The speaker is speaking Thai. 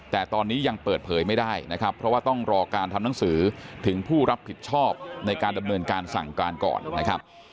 แต่ตอนนี้ยังเปิดเผยไม่ได้นะครับเพราะว่าต้องรอการทำหนังสือถึงผู้รับผิดชอบในการดำเนินการสั่งการก่อนนะครับ